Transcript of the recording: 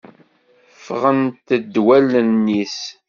Ffɣent-d wallen-is!